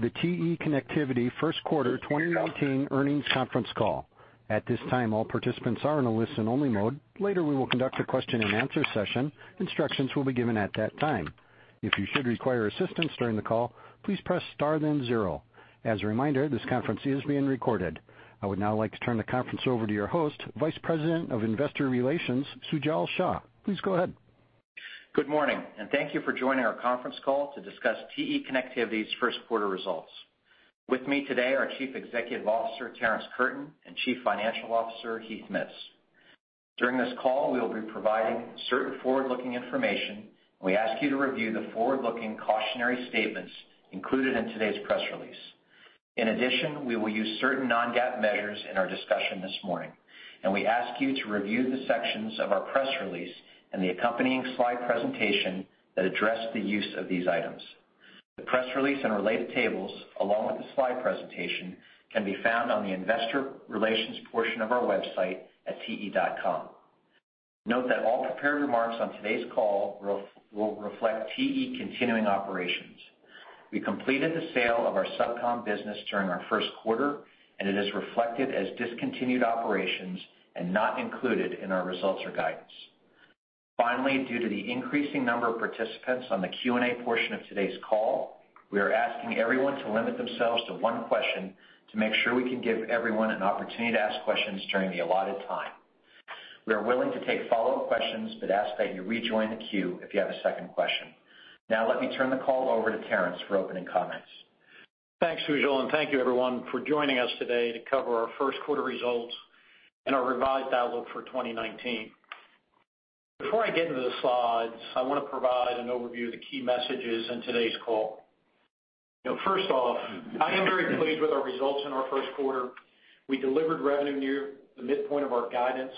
To the TE Connectivity First Quarter 2019 Earnings Conference Call. At this time, all participants are in a listen-only mode. Later, we will conduct a question-and-answer session. Instructions will be given at that time. If you should require assistance during the call, please press star then zero. As a reminder, this conference is being recorded. I would now like to turn the conference over to your host, Vice President of Investor Relations, Sujal Shah. Please go ahead. Good morning, and thank you for joining our conference call to discuss TE Connectivity's first quarter results. With me today are Chief Executive Officer, Terrence Curtin, and Chief Financial Officer, Heath Mitts. During this call, we will be providing certain forward-looking information. We ask you to review the forward-looking cautionary statements included in today's press release. In addition, we will use certain non-GAAP measures in our discussion this morning, and we ask you to review the sections of our press release and the accompanying slide presentation that address the use of these items. The press release and related tables, along with the slide presentation, can be found on the investor relations portion of our website at te.com. Note that all prepared remarks on today's call reflect TE continuing operations. We completed the sale of our SubCom business during our first quarter, and it is reflected as discontinued operations and not included in our results or guidance. Finally, due to the increasing number of participants on the Q&A portion of today's call, we are asking everyone to limit themselves to one question to make sure we can give everyone an opportunity to ask questions during the allotted time. We are willing to take follow-up questions, but ask that you rejoin the queue if you have a second question. Now, let me turn the call over to Terrence for opening comments. Thanks, Sujal, and thank you, everyone, for joining us today to cover our first quarter results and our revised outlook for 2019. Before I get into the slides, I want to provide an overview of the key messages in today's call. You know, first off, I am very pleased with our results in our first quarter. We delivered revenue near the midpoint of our guidance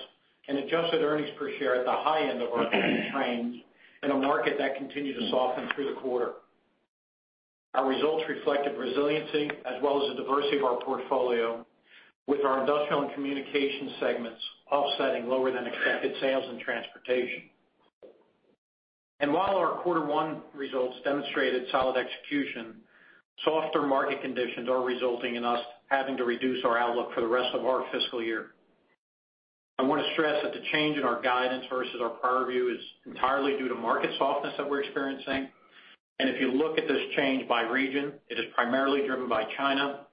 and adjusted earnings per share at the high end of our range, in a market that continued to soften through the quarter. Our results reflected resiliency as well as the diversity of our portfolio, with our industrial and Communications segments offsetting lower than expected sales and Transportation. And while our quarter one results demonstrated solid execution, softer market conditions are resulting in us having to reduce our outlook for the rest of our fiscal year. I want to stress that the change in our guidance versus our prior view is entirely due to market softness that we're experiencing. If you look at this change by region, it is primarily driven by China,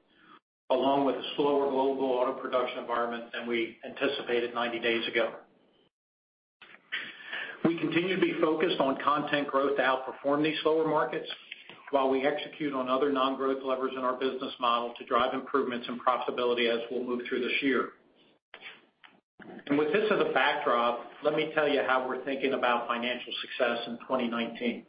along with a slower global auto production environment than we anticipated 90 days ago. We continue to be focused on content growth to outperform these slower markets, while we execute on other non-growth levers in our business model to drive improvements in profitability as we'll move through this year. With this as a backdrop, let me tell you how we're thinking about financial success in 2019.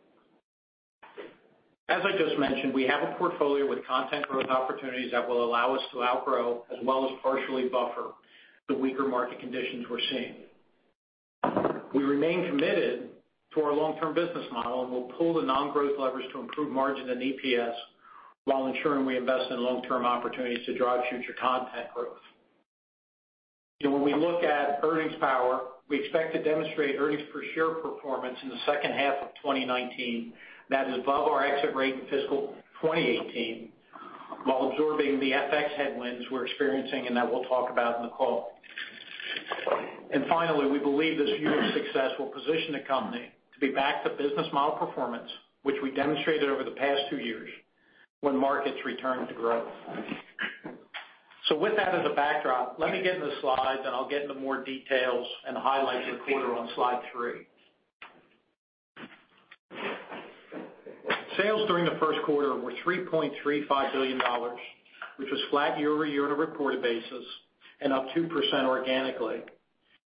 As I just mentioned, we have a portfolio with content growth opportunities that will allow us to outgrow as well as partially buffer the weaker market conditions we're seeing. We remain committed to our long-term business model, and we'll pull the non-growth levers to improve margin and EPS, while ensuring we invest in long-term opportunities to drive future content growth. When we look at earnings power, we expect to demonstrate earnings per share performance in the second half of 2019 that is above our exit rate in fiscal 2018, while absorbing the FX headwinds we're experiencing and that we'll talk about in the call. Finally, we believe this year's success will position the company to be back to business model performance, which we demonstrated over the past two years, when markets return to growth. With that as a backdrop, let me get into the slides, and I'll get into more details and highlights of the quarter on slide 3. Sales during the first quarter were $3.35 billion, which was flat year-over-year on a reported basis and up 2% organically,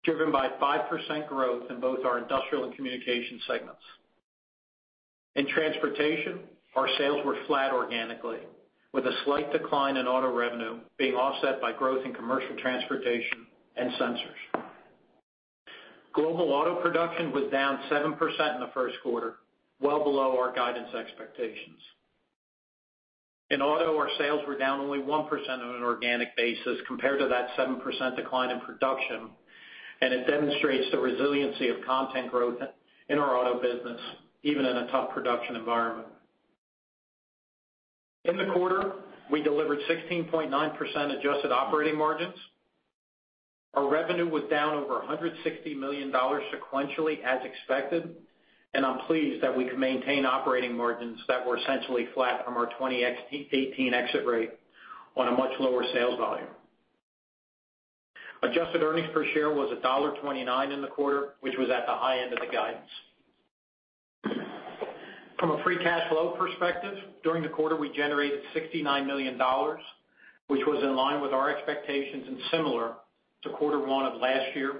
driven by 5% growth in both our industrial and communication segments. In Transportation, our sales were flat organically, with a slight decline in auto revenue being offset by growth in Commercial Transportation and Sensors. Global auto production was down 7% in the first quarter, well below our guidance expectations. In auto, our sales were down only 1% on an organic basis compared to that 7% decline in production, and it demonstrates the resiliency of content growth in our auto business, even in a tough production environment. In the quarter, we delivered 16.9% adjusted operating margins. Our revenue was down over $160 million sequentially, as expected, and I'm pleased that we could maintain operating margins that were essentially flat from our 2018 exit rate on a much lower sales volume. Adjusted earnings per share was $1.29 in the quarter, which was at the high end of the guidance. From a free cash flow perspective, during the quarter, we generated $69 million, which was in line with our expectations and similar to quarter one of last year,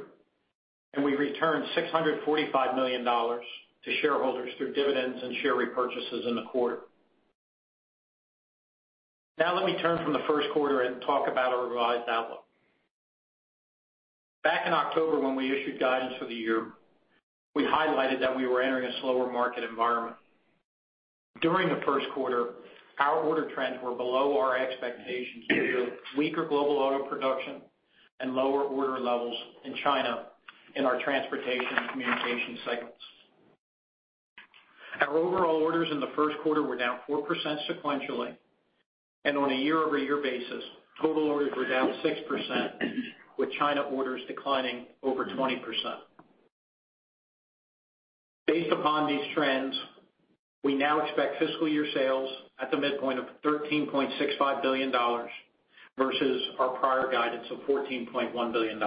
and we returned $645 million to shareholders through dividends and share repurchases in the quarter. Now, let me turn from the first quarter and talk about our revised outlook. Back in October, when we issued guidance for the year, we highlighted that we were entering a slower market environment. During the first quarter, our order trends were below our expectations due to weaker global auto production and lower order levels in China, in our Transportation and Communication segments. Our overall orders in the first quarter were down 4% sequentially, and on a year-over-year basis, total orders were down 6%, with China orders declining over 20%. Based upon these trends, we now expect fiscal year sales at the midpoint of $13.65 billion versus our prior guidance of $14.1 billion.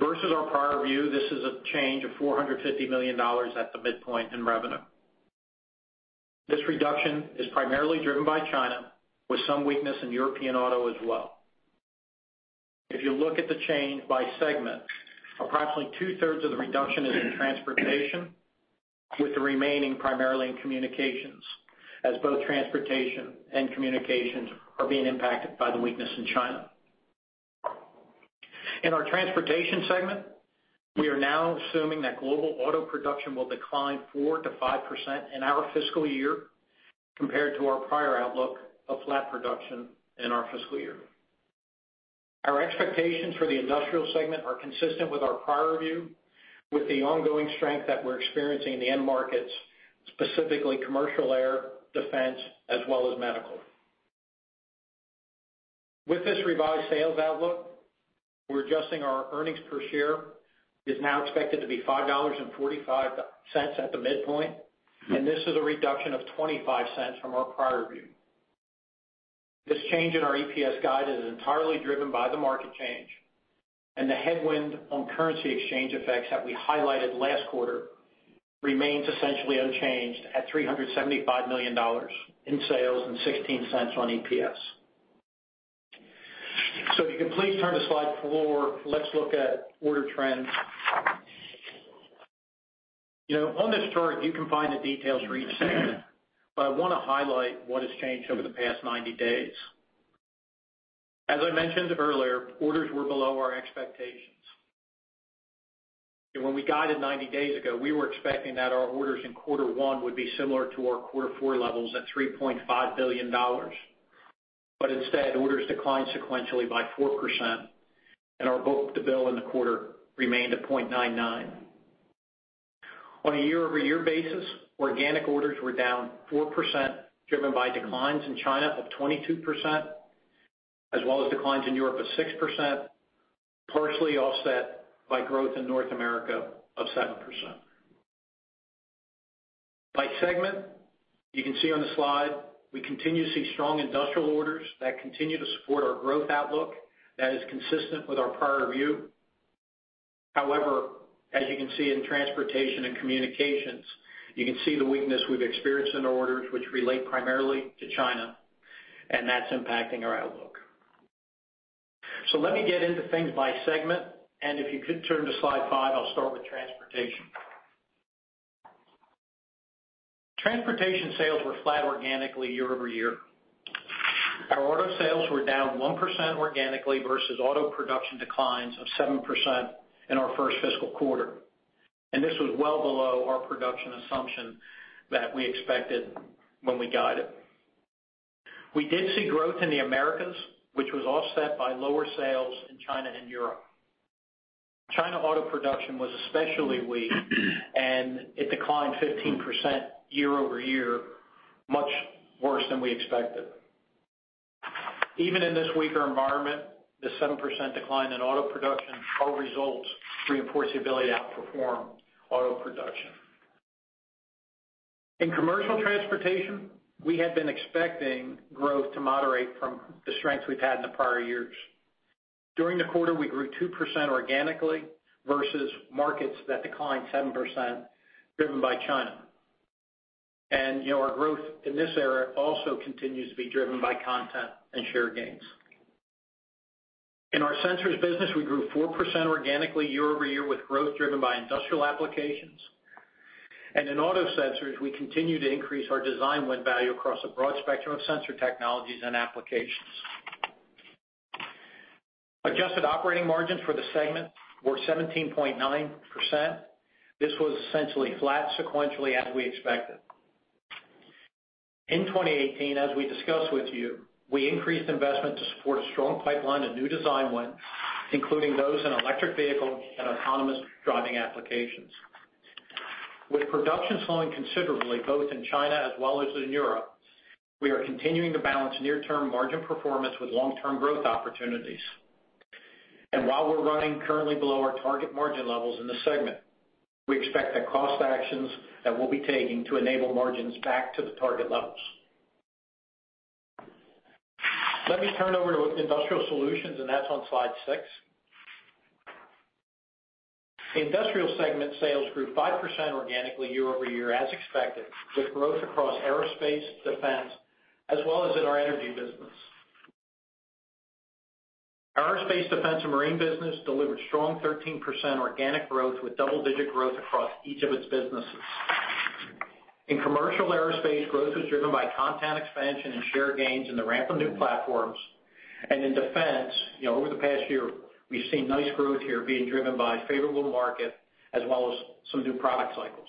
Versus our prior view, this is a change of $450 million at the midpoint in revenue. This reduction is primarily driven by China, with some weakness in European auto as well. If you look at the change by segment, approximately two-thirds of the reduction is in Transportation, with the remaining primarily in Communications, as both Transportation and Communications are being impacted by the weakness in China. In our Transportation segment, we are now assuming that global auto production will decline 4%-5% in our fiscal year compared to our prior outlook of flat production in our fiscal year. Our expectations for the industrial segment are consistent with our prior view, with the ongoing strength that we're experiencing in the end markets, specifically commercial air, defense, as well as medical. With this revised sales outlook, we're adjusting our earnings per share is now expected to be $5.45 at the midpoint, and this is a reduction of $0.25 from our prior view. This change in our EPS guide is entirely driven by the market change, and the headwind on currency exchange effects that we highlighted last quarter remains essentially unchanged at $375 million in sales and $0.16 on EPS. So if you can please turn to Slide 4, let's look at order trends. You know, on this chart, you can find the details for each segment, but I want to highlight what has changed over the past 90 days. As I mentioned earlier, orders were below our expectations. And when we guided 90 days ago, we were expecting that our orders in quarter one would be similar to our quarter four levels at $3.5 billion. But instead, orders declined sequentially by 4%, and our book-to-bill in the quarter remained at 0.99. On a year-over-year basis, organic orders were down 4%, driven by declines in China of 22%, as well as declines in Europe of 6%, partially offset by growth in North America of 7%. By segment, you can see on the slide, we continue to see strong industrial orders that continue to support our growth outlook that is consistent with our prior view. However, as you can see in Transportation and Communications, you can see the weakness we've experienced in orders which relate primarily to China, and that's impacting our outlook. So let me get into things by segment, and if you could turn to slide 5, I'll start with Transportation. Transportation sales were flat organically year-over-year. Our auto sales were down 1% organically versus auto production declines of 7% in our first fiscal quarter, and this was well below our production assumption that we expected when we guided. We did see growth in the Americas, which was offset by lower sales in China and Europe. China auto production was especially weak, and it declined 15% year-over-year, much worse than we expected. Even in this weaker environment, the 7% decline in auto production, our results reinforce the ability to outperform auto production. In Commercial Transportation, we had been expecting growth to moderate from the strengths we've had in the prior years. During the quarter, we grew 2% organically versus markets that declined 7%, driven by China. You know, our growth in this area also continues to be driven by content and share gains. In our Sensors business, we grew 4% organically year-over-year, with growth driven by industrial applications. In auto Sensors, we continue to increase our design win value across a broad spectrum of sensor technologies and applications. Adjusted operating margins for the segment were 17.9%. This was essentially flat sequentially as we expected. In 2018, as we discussed with you, we increased investment to support a strong pipeline of new design wins, including those in electric vehicle and autonomous driving applications. With production slowing considerably, both in China as well as in Europe, we are continuing to balance near-term margin performance with long-term growth opportunities. And while we're running currently below our target margin levels in the segment, we expect that cost actions that we'll be taking to enable margins back to the target levels. Let me turn over to Industrial Solutions, and that's on slide 6. Industrial segment sales grew 5% organically year-over-year, as expected, with growth across aerospace, defense, as well as in our Energy business. Our Aerospace, Defense and Marine business delivered strong 13% organic growth, with double-digit growth across each of its businesses. In commercial aerospace, growth was driven by content expansion and share gains in the ramp of new platforms. And in defense, you know, over the past year, we've seen nice growth here being driven by favorable market as well as some new product cycles.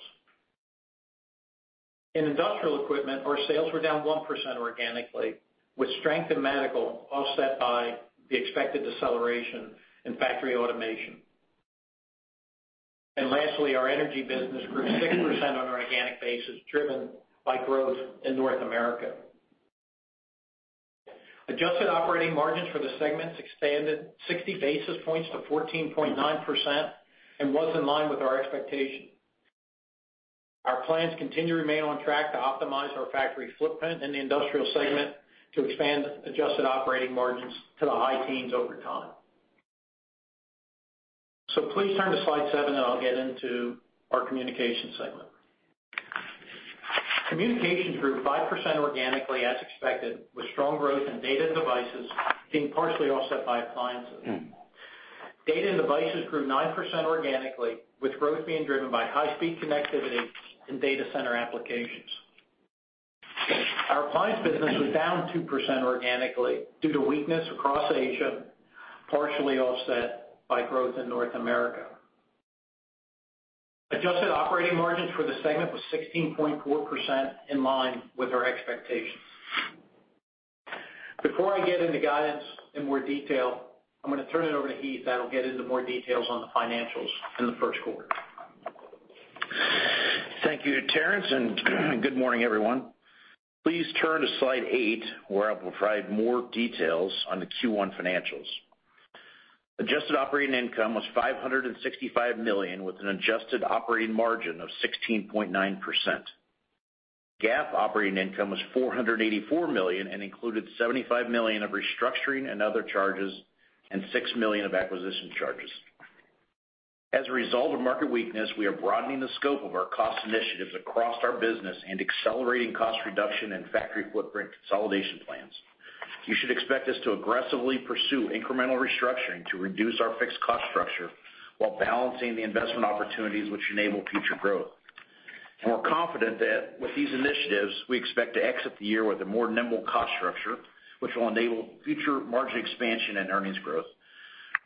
In Industrial Equipment, our sales were down 1% organically, with strength in medical offset by the expected deceleration in factory automation. And lastly, our Energy business grew 6% on an organic basis, driven by growth in North America. Adjusted operating margins for the segments expanded 60 basis points to 14.9% and was in line with our expectation. Our plans continue to remain on track to optimize our factory footprint in the Industrial segment to expand adjusted operating margins to the high teens over time. So please turn to slide seven, and I'll get into our Communications segment. Communications grew 5% organically, as expected, with strong growth in Data and Devices being partially offset by Appliances. Data and Devices grew 9% organically, with growth being driven by high-speed connectivity and data center applications. Our Appliances business was down 2% organically due to weakness across Asia, partially offset by growth in North America. Adjusted operating margins for the segment was 16.4% in line with our expectations. Before I get into guidance in more detail, I'm going to turn it over to Heath, that'll get into more details on the financials in the first quarter. Thank you, Terrence, and good morning, everyone. Please turn to slide 8, where I will provide more details on the Q1 financials. Adjusted operating income was $565 million, with an adjusted operating margin of 16.9%. GAAP operating income was $484 million and included $75 million of restructuring and other charges and $6 million of acquisition charges. As a result of market weakness, we are broadening the scope of our cost initiatives across our business and accelerating cost reduction and factory footprint consolidation plans. You should expect us to aggressively pursue incremental restructuring to reduce our fixed cost structure while balancing the investment opportunities which enable future growth. We're confident that with these initiatives, we expect to exit the year with a more nimble cost structure, which will enable future margin expansion and earnings growth.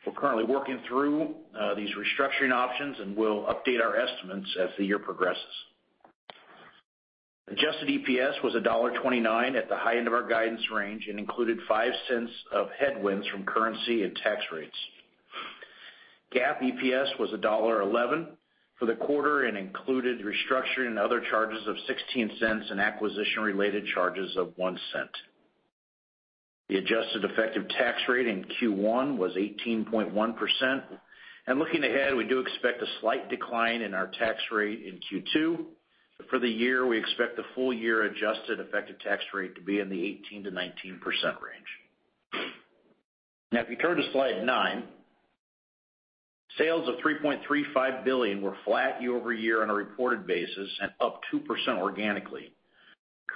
We're currently working through these restructuring options, and we'll update our estimates as the year progresses. Adjusted EPS was $1.29 at the high end of our guidance range and included $0.05 of headwinds from currency and tax rates. GAAP EPS was $1.11 for the quarter and included restructuring and other charges of $0.16 and acquisition-related charges of $0.01. The adjusted effective tax rate in Q1 was 18.1%. And looking ahead, we do expect a slight decline in our tax rate in Q2. But for the year, we expect the full-year adjusted effective tax rate to be in the 18%-19% range. Now, if you turn to slide 9, sales of $3.35 billion were flat year-over-year on a reported basis and up 2% organically.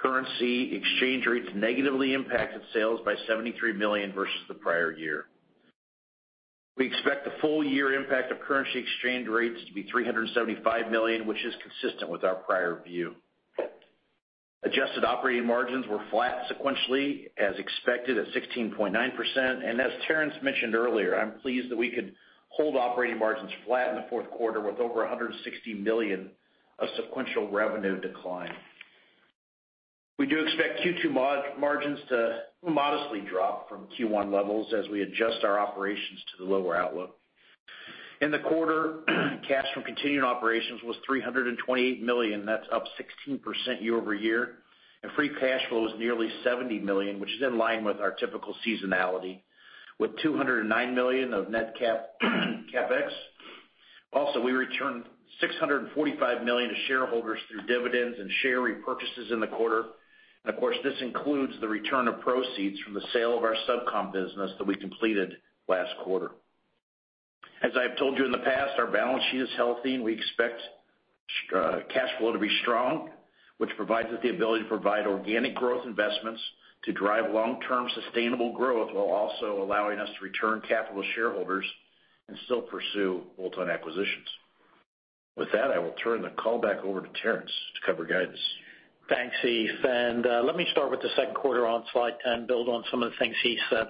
Currency exchange rates negatively impacted sales by $73 million versus the prior year. We expect the full-year impact of currency exchange rates to be $375 million, which is consistent with our prior view. Adjusted operating margins were flat sequentially as expected at 16.9%. And as Terrence mentioned earlier, I'm pleased that we could hold operating margins flat in the fourth quarter with over $160 million of sequential revenue decline. We do expect Q2 margins to modestly drop from Q1 levels as we adjust our operations to the lower outlook. In the quarter, cash from continuing operations was $328 million, that's up 16% year over year, and free cash flow is nearly $70 million, which is in line with our typical seasonality, with $209 million of net CapEx. Also, we returned $645 million to shareholders through dividends and share repurchases in the quarter. Of course, this includes the return of proceeds from the sale of our SubCom business that we completed last quarter. As I have told you in the past, our balance sheet is healthy, and we expect cash flow to be strong, which provides us the ability to provide organic growth investments to drive long-term sustainable growth, while also allowing us to return capital to shareholders and still pursue bolt-on acquisitions. With that, I will turn the call back over to Terrence to cover guidance. Thanks, Heath. Let me start with the second quarter on slide 10, build on some of the things Heath said.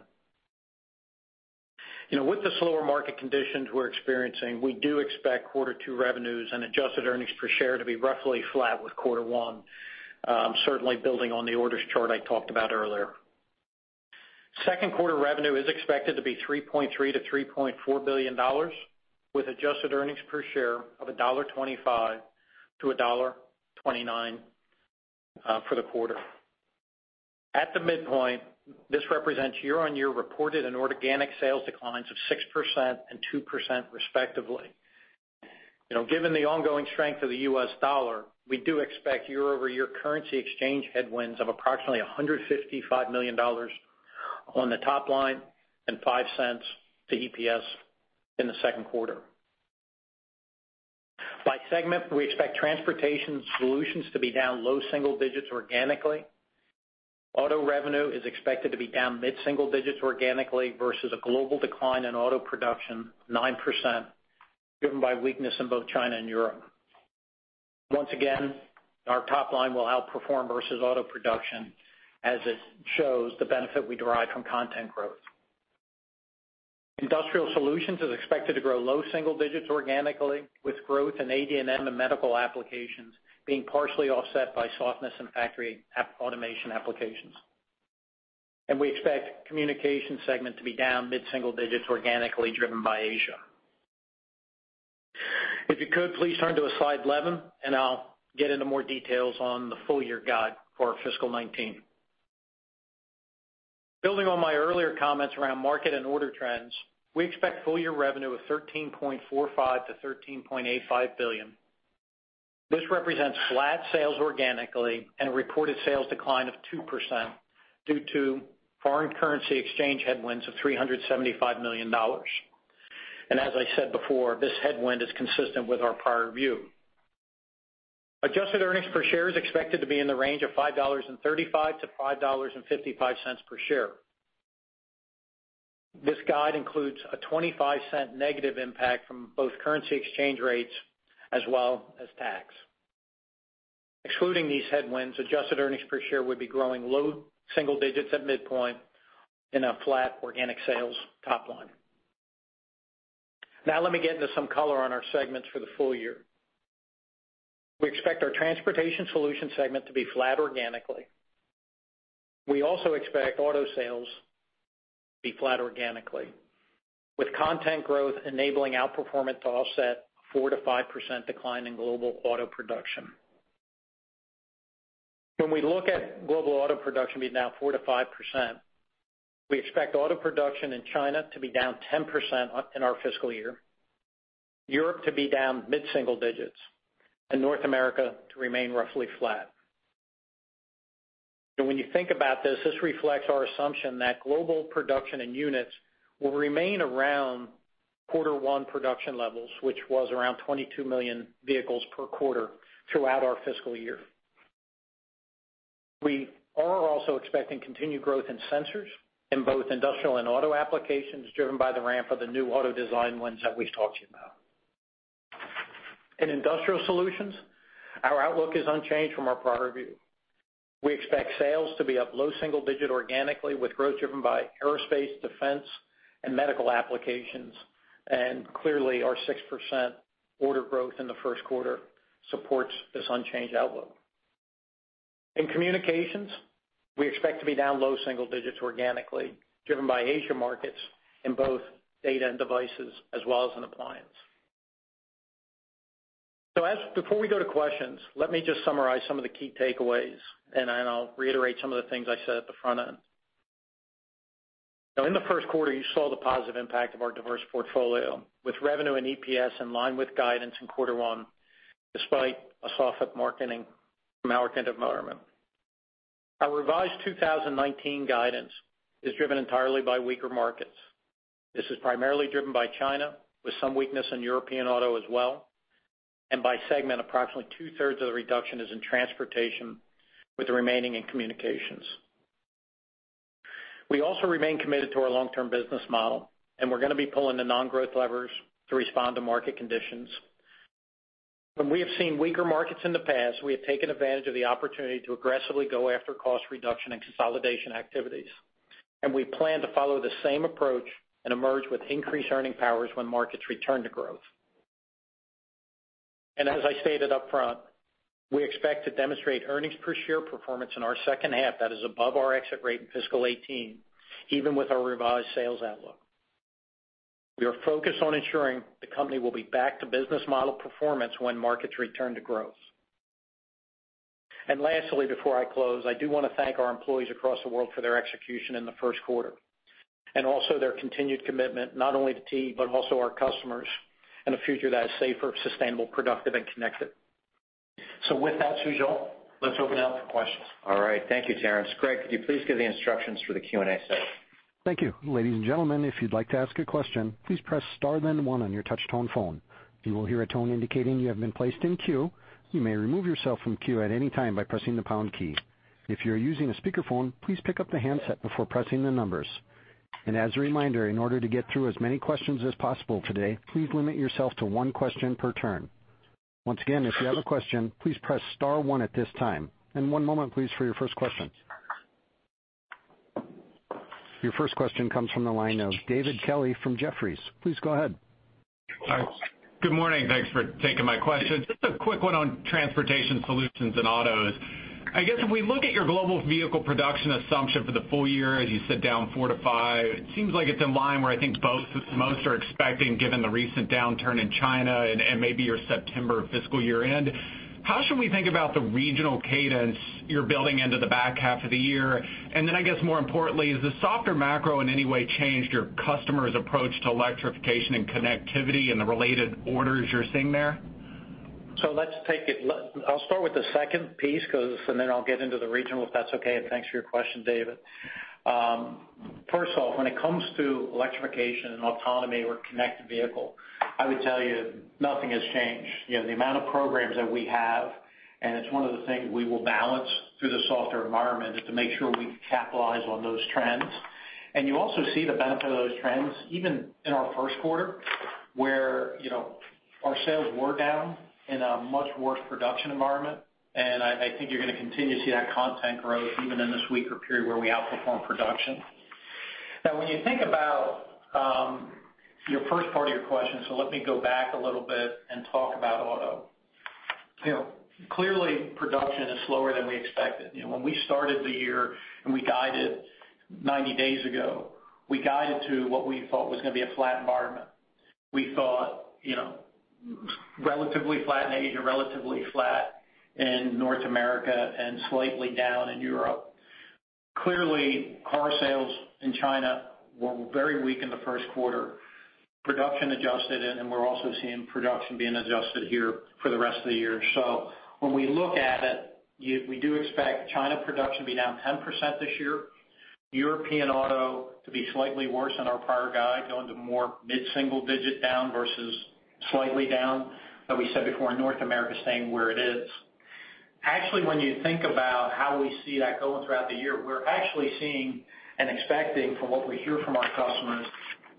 You know, with the slower market conditions we're experiencing, we do expect quarter two revenues and adjusted earnings per share to be roughly flat with quarter one, certainly building on the orders chart I talked about earlier. Second quarter revenue is expected to be $3.3 billion-$3.4 billion, with adjusted earnings per share of $1.25-$1.29 for the quarter. At the midpoint, this represents year-on-year reported and organic sales declines of 6% and 2% respectively. You know, given the ongoing strength of the U.S. dollar, we do expect year-over-year currency exchange headwinds of approximately $155 million on the top line and $0.05 to EPS in the second quarter. By segment, we expect Transportation Solutions to be down low single digits organically. Auto revenue is expected to be down mid-single digits organically versus a global decline in auto production, 9%, driven by weakness in both China and Europe. Once again, our top line will outperform versus auto production as it shows the benefit we derive from content growth. Industrial Solutions is expected to grow low single digits organically, with growth in ADM and the medical applications being partially offset by softness in factory automation applications. We expect Communications segment to be down mid-single digits, organically driven by Asia. If you could, please turn to our slide 11, and I'll get into more details on the full year guide for our fiscal 2019. Building on my earlier comments around market and order trends, we expect full year revenue of $13.45-$13.85 billion. This represents flat sales organically and a reported sales decline of 2% due to foreign currency exchange headwinds of $375 million. As I said before, this headwind is consistent with our prior view. Adjusted earnings per share is expected to be in the range of $5.35-$5.55 per share. This guide includes a 25-cent negative impact from both currency exchange rates as well as tax. Excluding these headwinds, adjusted earnings per share would be growing low single digits at midpoint in a flat organic sales top line. Now let me get into some color on our segments for the full year. We expect our Transportation Solutions segment to be flat organically. We also expect auto sales to be flat organically, with content growth enabling outperformance to offset 4%-5% decline in global auto production. When we look at global auto production being down 4%-5%, we expect auto production in China to be down 10% in our fiscal year, Europe to be down mid-single digits, and North America to remain roughly flat. And when you think about this, this reflects our assumption that global production in units will remain around quarter one production levels, which was around 22 million vehicles per quarter, throughout our fiscal year. We are also expecting continued growth in Sensors in both industrial and auto applications, driven by the ramp of the new auto design wins that we've talked to you about. In Industrial Solutions, our outlook is unchanged from our prior view. We expect sales to be up low single digit organically, with growth driven by aerospace, defense, and marine applications. Clearly, our 6% order growth in the first quarter supports this unchanged outlook. In Communications, we expect to be down low single digits organically, driven by Asia markets in both data and devices, as well as in appliance. So, as before we go to questions, let me just summarize some of the key takeaways, and then I'll reiterate some of the things I said at the front end. Now, in the first quarter, you saw the positive impact of our diverse portfolio, with revenue and EPS in line with guidance in quarter one, despite a softer market in our end markets. Our revised 2019 guidance is driven entirely by weaker markets. This is primarily driven by China, with some weakness in European auto as well, and by segment, approximately two-thirds of the reduction is in Transportation, with the remaining in Communications. We also remain committed to our long-term business model, and we're gonna be pulling the non-growth levers to respond to market conditions. When we have seen weaker markets in the past, we have taken advantage of the opportunity to aggressively go after cost reduction and consolidation activities, and we plan to follow the same approach and emerge with increased earning powers when markets return to growth. As I stated upfront, we expect to demonstrate earnings per share performance in our second half that is above our exit rate in fiscal 2018, even with our revised sales outlook. We are focused on ensuring the company will be back to business model performance when markets return to growth. And lastly, before I close, I do want to thank our employees across the world for their execution in the first quarter, and also their continued commitment, not only to TE, but also our customers, and a future that is safer, sustainable, productive, and connected. So with that, Sujal, let's open it up for questions. All right. Thank you, Terrence. Greg, could you please give the instructions for the Q&A session? Thank you. Ladies and gentlemen, if you'd like to ask a question, please press star, then one on your touchtone phone. You will hear a tone indicating you have been placed in queue. You may remove yourself from queue at any time by pressing the pound key. If you're using a speakerphone, please pick up the handset before pressing the numbers. And as a reminder, in order to get through as many questions as possible today, please limit yourself to one question per turn. Once again, if you have a question, please press star one at this time. And one moment, please, for your first question. Your first question comes from the line of David Kelley from Jefferies. Please go ahead. Good morning, thanks for taking my question. Just a quick one on Transportation Solutions and autos. I guess if we look at your global vehicle production assumption for the full year, as you said, down 4-5, it seems like it's in line where I think both, most are expecting, given the recent downturn in China and, and maybe your September fiscal year-end. How should we think about the regional cadence you're building into the back half of the year? And then, I guess, more importantly, has the softer macro in any way changed your customers' approach to electrification and connectivity and the related orders you're seeing there? So let's take it -- I'll start with the second piece, 'cause, and then I'll get into the regional, if that's okay, and thanks for your question, David. First of all, when it comes to electrification and autonomy or connected vehicle, I would tell you nothing has changed. You know, the amount of programs that we have, and it's one of the things we will balance through the softer environment, is to make sure we capitalize on those trends. You also see the benefit of those trends even in our first quarter, where, you know, our sales were down in a much worse production environment, and I think you're gonna continue to see that content growth even in this weaker period where we outperform production. Now, when you think about your first part of your question, so let me go back a little bit and talk about auto. You know, clearly, production is slower than we expected. You know, when we started the year and we guided 90 days ago, we guided to what we thought was gonna be a flat environment. We thought, you know, relatively flat in Asia, relatively flat in North America, and slightly down in Europe. Clearly, car sales in China were very weak in the first quarter, production adjusted, and we're also seeing production being adjusted here for the rest of the year. So when we look at it, we do expect China production to be down 10% this year, European auto to be slightly worse than our prior guide, go into more mid-single digit down versus slightly down. We said before, North America is staying where it is. Actually, when you think about how we see that going throughout the year, we're actually seeing and expecting, from what we hear from our customers,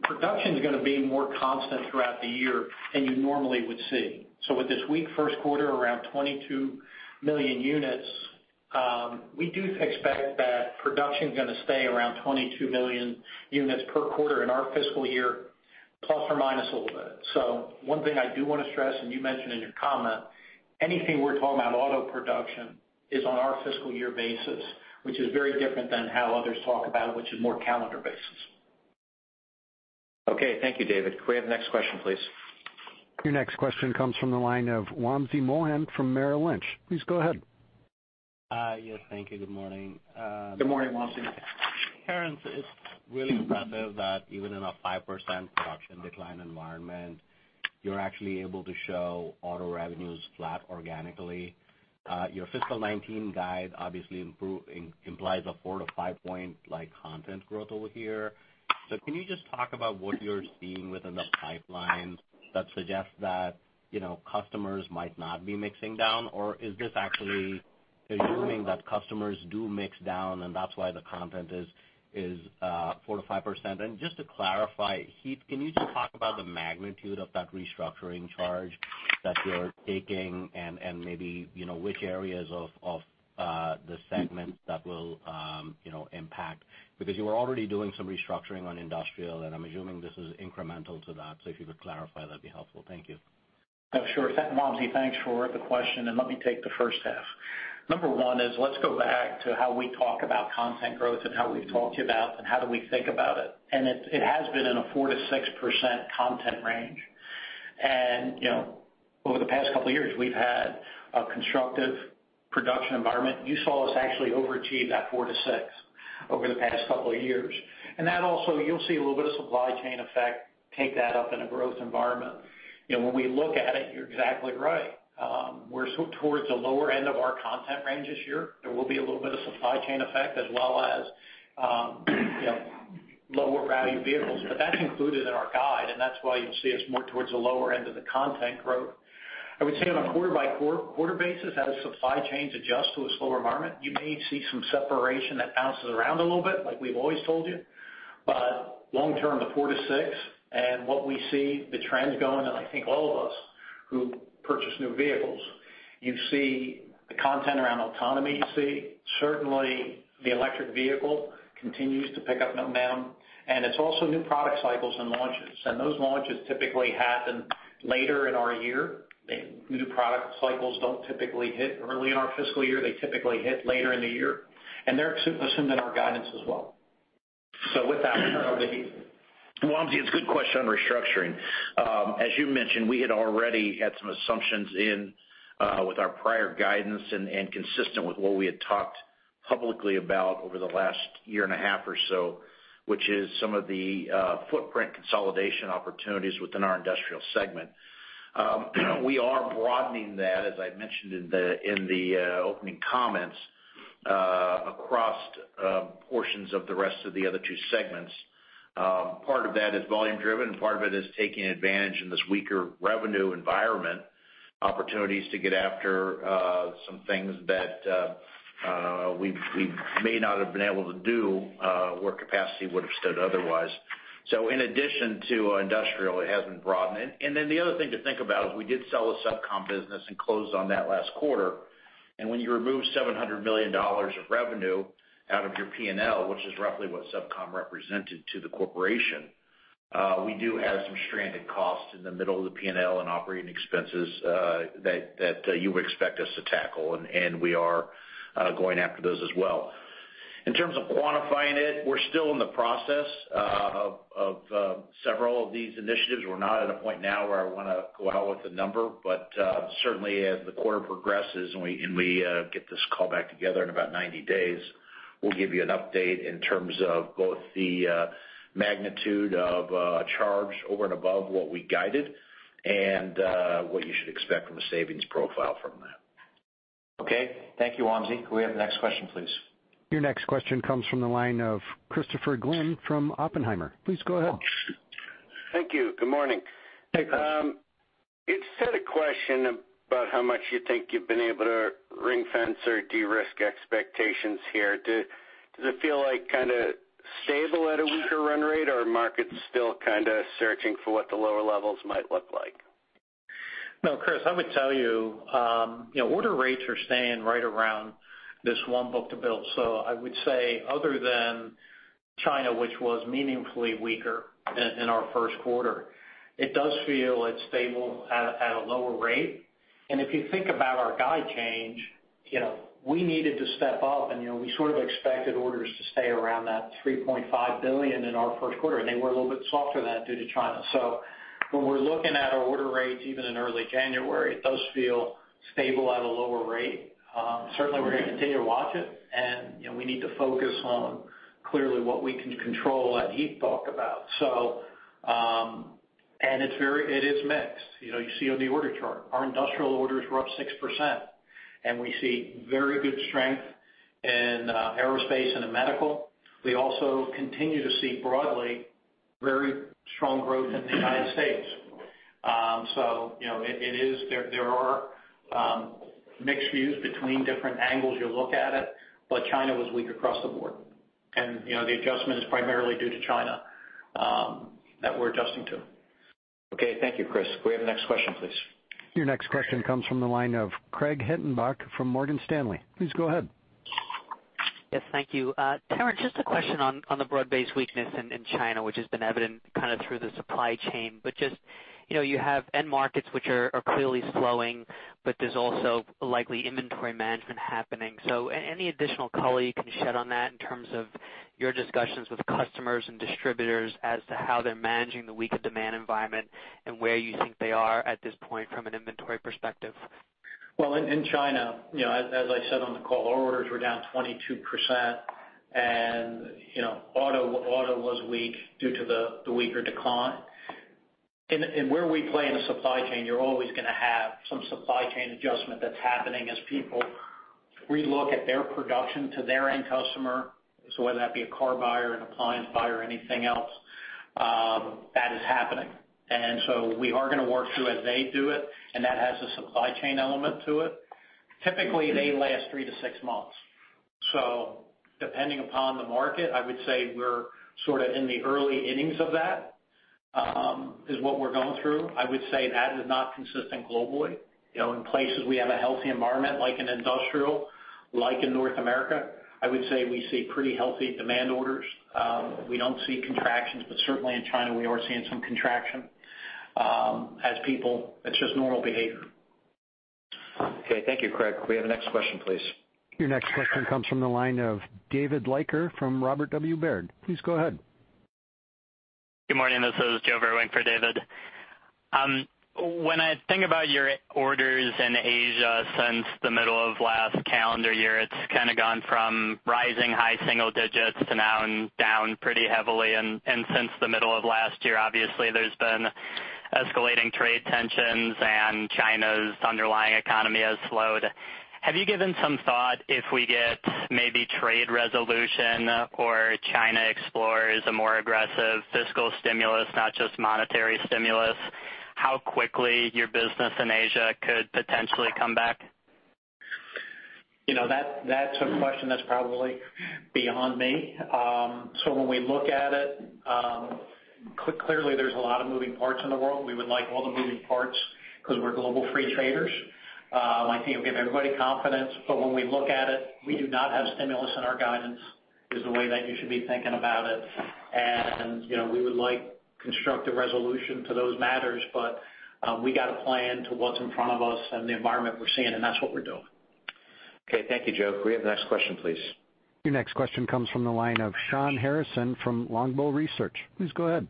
production is gonna be more constant throughout the year than you normally would see. So with this weak first quarter, around 22 million units, we do expect that production is gonna stay around 22 million units per quarter in our fiscal year, plus or minus a little bit. So one thing I do want to stress, and you mentioned in your comment, anything we're talking about auto production is on our fiscal year basis, which is very different than how others talk about it, which is more calendar basis. Okay. Thank you, David. Can we have the next question, please? Your next question comes from the line of Wamsi Mohan from Merrill Lynch. Please go ahead. Yes, thank you. Good morning. Good morning, Wamsi. Terrence, it's really impressive that even in a 5% production decline environment, you're actually able to show auto revenues flat organically. Your fiscal 2019 guide obviously implies a 4- to 5-point-like content growth over here. So can you just talk about what you're seeing within the pipeline that suggests that, you know, customers might not be mixing down? Or is this actually assuming that customers do mix down, and that's why the content is 4%-5%? And just to clarify, Heath, can you just talk about the magnitude of that restructuring charge that you're taking and maybe, you know, which areas of the segment that will impact? Because you were already doing some restructuring on industrial, and I'm assuming this is incremental to that. So if you could clarify, that'd be helpful. Thank you. Oh, sure. Wamsi, thanks for the question, and let me take the first half. Number one is, let's go back to how we talk about content growth and how we've talked about and how do we think about it, and it, it has been in a 4%-6% content range. And, you know, over the past couple of years, we've had a constructive production environment. You saw us actually overachieve that 4-6 over the past couple of years. And that also, you'll see a little bit of supply chain effect, take that up in a growth environment. You know, when we look at it, you're exactly right. We're so towards the lower end of our content range this year. There will be a little bit of supply chain effect as well as, you know, lower value vehicles, but that's included in our guide, and that's why you'd see us more towards the lower end of the content growth. I would say on a quarter by quarter, quarter basis, as supply chains adjust to a slower environment, you may see some separation that bounces around a little bit like we've always told you. But long term, the 4-6 and what we see, the trends going, and I think all of us who purchase new vehicles, you see the content around autonomy. You see certainly the electric vehicle continues to pick up and down, and it's also new product cycles and launches, and those launches typically happen later in our year. The new product cycles don't typically hit early in our fiscal year. They typically hit later in the year, and they're assumed in our guidance as well. With that, I'll turn it over to Heath. Wamsi, it's a good question on restructuring. As you mentioned, we had already had some assumptions in, with our prior guidance and, and consistent with what we had talked publicly about over the last year and a half or so, which is some of the, footprint consolidation opportunities within our industrial segment. We are broadening that, as I mentioned in the, in the, opening comments, across, portions of the rest of the other two segments. Part of that is volume driven, and part of it is taking advantage in this weaker revenue environment, opportunities to get after, some things that, we, we may not have been able to do, where capacity would have stood otherwise. So in addition to industrial, it has been broadened. And then the other thing to think about is we did sell a SubCom business and closed on that last quarter. And when you remove $700 million of revenue out of your P&L, which is roughly what SubCom represented to the corporation, we do have some stranded costs in the middle of the P&L and operating expenses, that you would expect us to tackle, and we are going after those as well. In terms of quantifying it, we're still in the process of several of these initiatives. We're not at a point now where I want to go out with a number, but certainly as the quarter progresses and we get this call back together in about 90 days, we'll give you an update in terms of both the magnitude of charge over and above what we guided and what you should expect from a savings profile from that. Okay. Thank you, Wamsi. Can we have the next question, please? Your next question comes from the line of Christopher Glynn from Oppenheimer. Please go ahead. Thank you. Good morning. Hey, Chris.... a question about how much you think you've been able to ring-fence or de-risk expectations here. Does it feel like kind of stable at a weaker run rate, or are markets still kind of searching for what the lower levels might look like? No, Chris, I would tell you, you know, order rates are staying right around this 1 book-to-bill. So I would say other than China, which was meaningfully weaker in our first quarter, it does feel it's stable at a lower rate. And if you think about our guide change, you know, we needed to step up, and, you know, we sort of expected orders to stay around that $3.5 billion in our first quarter, and they were a little bit softer than that due to China. So when we're looking at our order rates, even in early January, it does feel stable at a lower rate. Certainly, we're going to continue to watch it, and, you know, we need to focus on clearly what we can control and Heath talked about. So, and it's very, it is mixed. You know, you see on the order chart, our industrial orders were up 6%, and we see very good strength in aerospace and in medical. We also continue to see broadly very strong growth in the United States. So you know, it is. There are mixed views between different angles you look at it, but China was weak across the board. And you know, the adjustment is primarily due to China that we're adjusting to. Okay. Thank you, Chris. Can we have the next question, please? Your next question comes from the line of Craig Hettenbach from Morgan Stanley. Please go ahead. Yes, thank you. Terrence, just a question on the broad-based weakness in China, which has been evident kind of through the supply chain. But just, you know, you have end markets, which are clearly slowing, but there's also likely inventory management happening. So any additional color you can shed on that in terms of your discussions with customers and distributors as to how they're managing the weaker demand environment and where you think they are at this point from an inventory perspective? Well, in China, you know, as I said on the call, our orders were down 22%, and, you know, auto was weak due to the weaker decline. Where we play in the supply chain, you're always going to have some supply chain adjustment that's happening as people relook at their production to their end customer. So whether that be a car buyer, an appliance buyer, or anything else, that is happening. And so we are going to work through as they do it, and that has a supply chain element to it. Typically, they last three to six months. So depending upon the market, I would say we're sort of in the early innings of that, is what we're going through. I would say that is not consistent globally. You know, in places we have a healthy environment, like in industrial, like in North America, I would say we see pretty healthy demand orders. We don't see contractions, but certainly in China, we are seeing some contraction. It's just normal behavior. Okay. Thank you, Craig. Can we have the next question, please? Your next question comes from the line of David Leiker from Robert W. Baird. Please go ahead. Good morning. This is Joe Vruwink for David. When I think about your orders in Asia since the middle of last calendar year, it's kind of gone from rising high single digits to now and down pretty heavily. And since the middle of last year, obviously, there's been escalating trade tensions, and China's underlying economy has slowed. Have you given some thought, if we get maybe trade resolution or China explores a more aggressive fiscal stimulus, not just monetary stimulus, how quickly your business in Asia could potentially come back? You know, that's a question that's probably beyond me. So when we look at it, clearly, there's a lot of moving parts in the world. We would like all the moving parts because we're global free traders. I think it will give everybody confidence, but when we look at it, we do not have stimulus in our guidance, is the way that you should be thinking about it. And, you know, we would like constructive resolution to those matters, but, we got a plan to what's in front of us and the environment we're seeing, and that's what we're doing. Okay. Thank you, Joe. Can we have the next question, please? Your next question comes from the line of Shawn Harrison from Longbow Research. Please go ahead.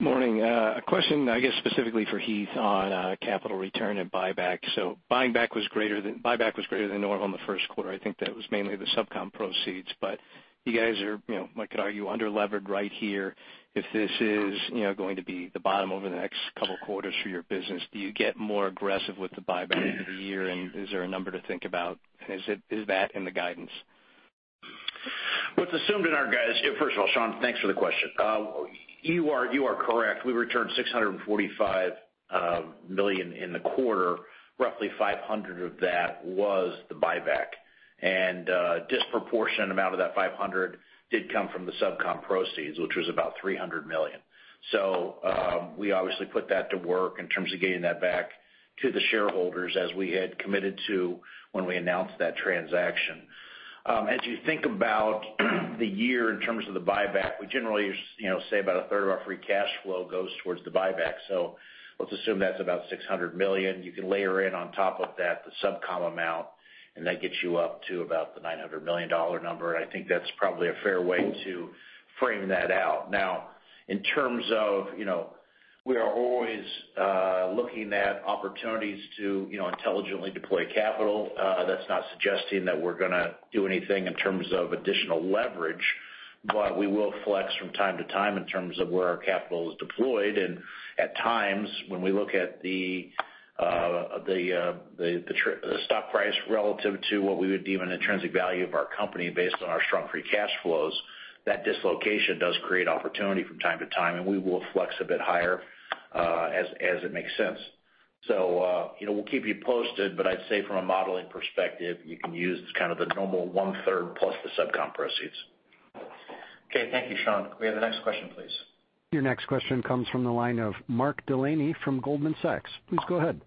Morning. A question, I guess, specifically for Heath on capital return and buyback. So buyback was greater than normal in the first quarter. I think that was mainly the SubCom proceeds, but you guys are, you know, I could argue, underlevered right here. If this is, you know, going to be the bottom over the next couple of quarters for your business, do you get more aggressive with the buyback of the year, and is there a number to think about? Is that in the guidance? First of all, Shawn, thanks for the question. You are, you are correct. We returned $645 million in the quarter. Roughly $500 of that was the buyback, and a disproportionate amount of that $500 did come from the SubCom proceeds, which was about $300 million. So, we obviously put that to work in terms of getting that back to the shareholders, as we had committed to when we announced that transaction. As you think about the year in terms of the buyback, we generally, you know, say about a third of our free cash flow goes towards the buyback. So let's assume that's about $600 million. You can layer in on top of that, the SubCom amount, and that gets you up to about the $900 million number, and I think that's probably a fair way to frame that out. Now, in terms of, you know, we are always looking at opportunities to, you know, intelligently deploy capital. That's not suggesting that we're going to do anything in terms of additional leverage, but we will flex from time to time in terms of where our capital is deployed. And at times, when we look at the stock price relative to what we would deem an intrinsic value of our company based on our strong free cash flows, that dislocation does create opportunity from time to time, and we will flex a bit higher, as it makes sense.... So, you know, we'll keep you posted, but I'd say from a modeling perspective, you can use kind of the normal one-third plus the SubCom proceeds. Okay. Thank you, Sean. May we have the next question, please? Your next question comes from the line of Mark Delaney from Goldman Sachs. Please go ahead.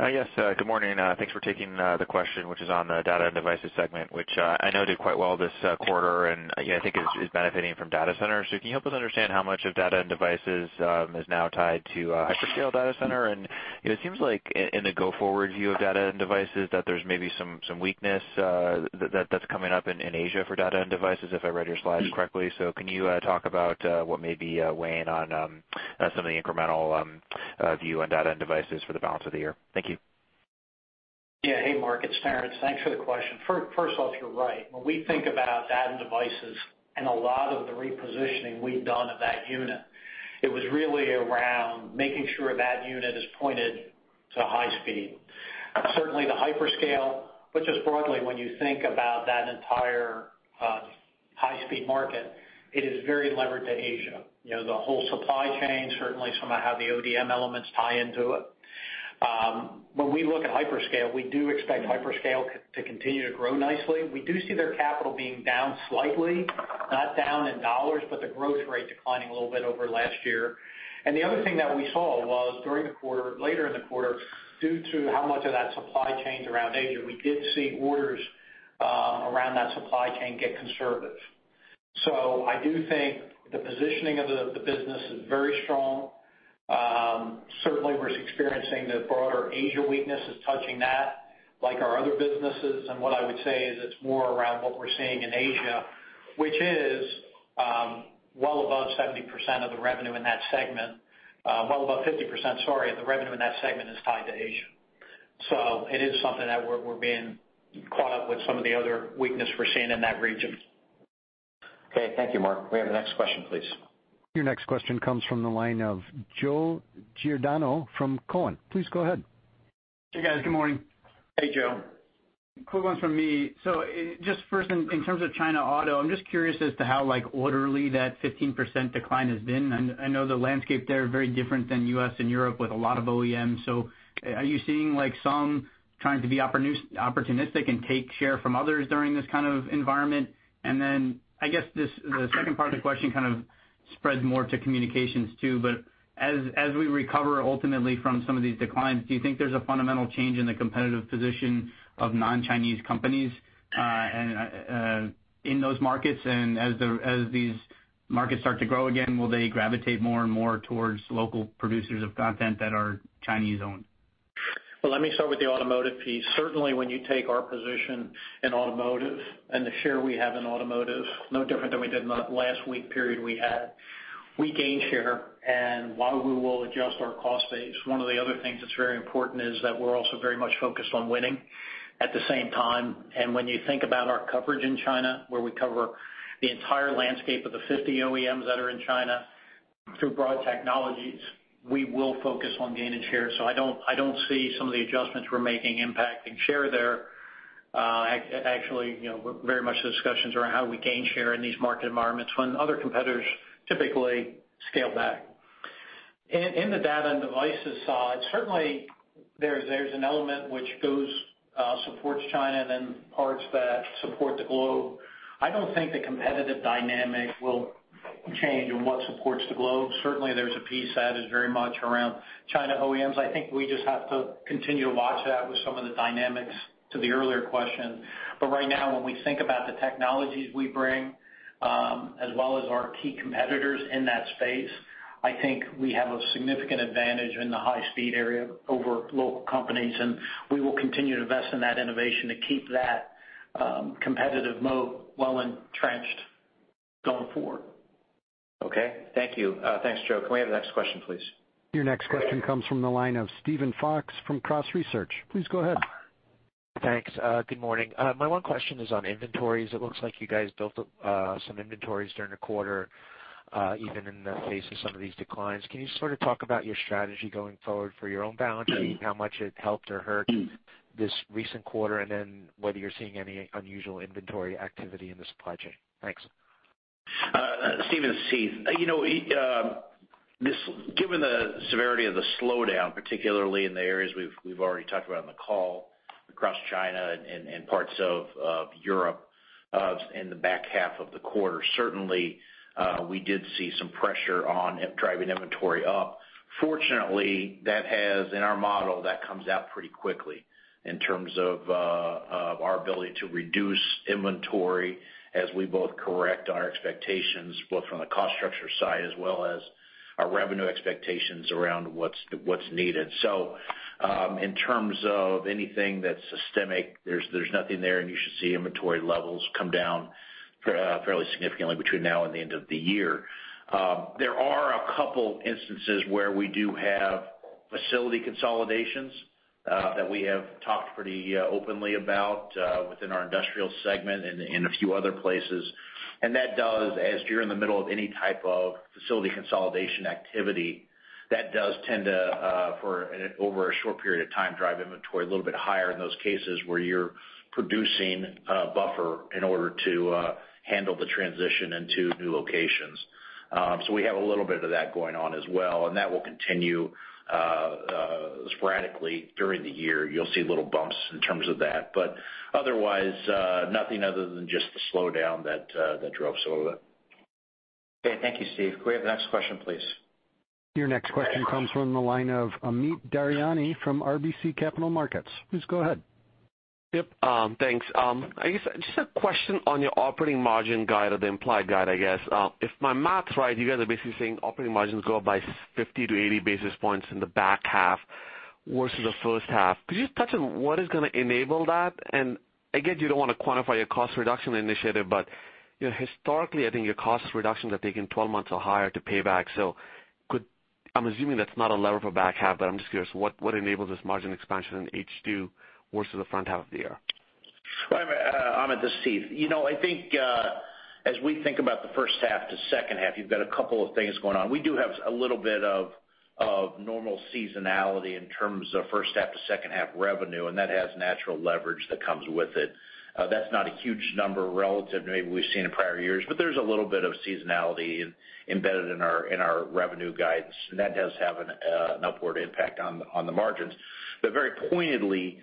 Yes, good morning. Thanks for taking the question, which is on the Data and Devices segment, which I know did quite well this quarter, and yeah, I think is benefiting from data centers. So can you help us understand how much of Data and Devices is now tied to hyperscale data center? And you know, it seems like in the go-forward view of Data and Devices, that there's maybe some weakness that's coming up in Asia for Data and Devices, if I read your slides correctly. So can you talk about what may be weighing on some of the incremental view on Data and Devices for the balance of the year? Thank you. Yeah. Hey, Mark, it's Terrence. Thanks for the question. First off, you're right. When we think about Data and Devices and a lot of the repositioning we've done of that unit, it was really around making sure that unit is pointed to high speed. Certainly, the hyperscale, which is broadly, when you think about that entire high-speed market, it is very levered to Asia. You know, the whole supply chain, certainly some of how the ODM elements tie into it. When we look at hyperscale, we do expect hyperscale to continue to grow nicely. We do see their capital being down slightly, not down in dollars, but the growth rate declining a little bit over last year. And the other thing that we saw was during the quarter, later in the quarter, due to how much of that supply chain is around Asia, we did see orders around that supply chain get conservative. So I do think the positioning of the business is very strong. Certainly, we're experiencing the broader Asia weakness is touching that, like our other businesses. And what I would say is it's more around what we're seeing in Asia, which is, well above 70% of the revenue in that segment, well above 50%, sorry, of the revenue in that segment is tied to Asia. So it is something that we're being caught up with some of the other weakness we're seeing in that region. Okay. Thank you, Mark. May we have the next question, please? Your next question comes from the line of Joe Giordano from Cowen. Please go ahead. Hey, guys. Good morning. Hey, Joe. Quick ones from me. So just first in, in terms of China auto, I'm just curious as to how, like, orderly that 15% decline has been. I know the landscape there are very different than U.S. and Europe, with a lot of OEMs. So are you seeing, like, some trying to be opportunistic and take share from others during this kind of environment? And then, I guess, this, the second part of the question kind of spreads more to Communications, too. But as, as we recover ultimately from some of these declines, do you think there's a fundamental change in the competitive position of non-Chinese companies, and in those markets? And as these markets start to grow again, will they gravitate more and more towards local producers of content that are Chinese-owned? Well, let me start with the automotive piece. Certainly, when you take our position in automotive and the share we have in automotive, no different than we did in the last week period we had, we gained share. And while we will adjust our cost base, one of the other things that's very important is that we're also very much focused on winning at the same time. And when you think about our coverage in China, where we cover the entire landscape of the 50 OEMs that are in China through broad technologies, we will focus on gaining share. So I don't, I don't see some of the adjustments we're making impacting share there. Actually, you know, very much the discussions around how we gain share in these market environments when other competitors typically scale back. In the Data and Devices side, certainly there's an element which goes supports China, then parts that support the globe. I don't think the competitive dynamic will change in what supports the globe. Certainly, there's a piece that is very much around China OEMs. I think we just have to continue to watch that with some of the dynamics to the earlier question. But right now, when we think about the technologies we bring, as well as our key competitors in that space, I think we have a significant advantage in the high-speed area over local companies, and we will continue to invest in that innovation to keep that competitive mode well-entrenched going forward. Okay. Thank you. Thanks, Joe. Can we have the next question, please? Your next question comes from the line of Steven Fox from Cross Research. Please go ahead. Thanks. Good morning. My one question is on inventories. It looks like you guys built up some inventories during the quarter, even in the face of some of these declines. Can you sort of talk about your strategy going forward for your own balance sheet, how much it helped or hurt this recent quarter, and then whether you're seeing any unusual inventory activity in the supply chain? Thanks. Steven, it's Heath. You know, given the severity of the slowdown, particularly in the areas we've already talked about on the call, across China and parts of Europe, in the back half of the quarter, certainly we did see some pressure on driving inventory up. Fortunately, that has in our model, that comes out pretty quickly in terms of our ability to reduce inventory as we both correct on our expectations, both from the cost structure side as well as our revenue expectations around what's needed. So, in terms of anything that's systemic, there's nothing there, and you should see inventory levels come down fairly significantly between now and the end of the year. There are a couple instances where we do have facility consolidations that we have talked pretty openly about within our industrial segment and in a few other places. That does, as you're in the middle of any type of facility consolidation activity, that does tend to, over a short period of time, drive inventory a little bit higher in those cases where you're producing a buffer in order to handle the transition into new locations. So we have a little bit of that going on as well, and that will continue sporadically during the year. You'll see little bumps in terms of that, but otherwise, nothing other than just the slowdown that drove some of it. Okay. Thank you, Steve. Can we have the next question, please? Your next question comes from the line of Amit Daryanani from RBC Capital Markets. Please go ahead. Yep, thanks. I guess just a question on your operating margin guide or the implied guide, I guess. If my math right, you guys are basically saying operating margins go up by 50-80 basis points in the back half versus the first half. Could you just touch on what is gonna enable that? And I get you don't want to quantify your cost reduction initiative, but, you know, historically, I think your cost reductions have taken 12 months or higher to pay back. So could. I'm assuming that's not a level for back half, but I'm just curious, what enables this margin expansion in H2 versus the front half of the year? Well, Amit, this is Steve. You know, I think as we think about the first half to second half, you've got a couple of things going on. We do have a little bit of normal seasonality in terms of first half to second half revenue, and that has natural leverage that comes with it. That's not a huge number relative to maybe we've seen in prior years, but there's a little bit of seasonality embedded in our revenue guidance, and that does have an upward impact on the margins. But very pointedly,